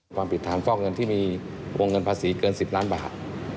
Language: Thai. ความผิดฐานฟอกเงินที่มีวงเงินภาษีเกิน๑๐ล้านบาท